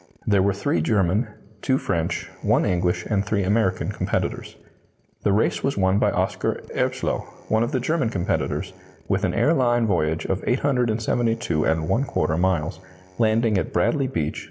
There were three German, two French, one English, and three American competitors. The race was won by Oscar Erbslöh, one of the German competitors, with an air line voyage of 872¼ miles, landing at Bradley Beach, N.